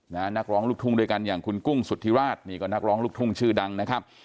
นักร้องลูกทุ่งด้วยกันอย่างคุณกุ้งสุธิราชนี่ก็นักร้องลูกทุ่งชื่อดังนะครับ